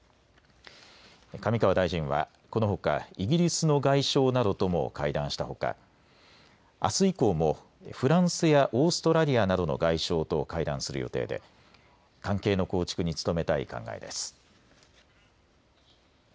上川大臣はこのほかイギリスの外相などとも会談したほかあす以降もフランスやオーストラリアなどの外相と会談する予定で関係の構築に努めたい考えです。